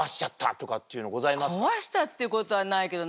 壊したっていうことはないけど。